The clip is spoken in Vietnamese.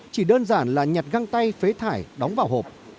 chỉ đơn giản là nhặt găng tay phế thải đóng vào hộp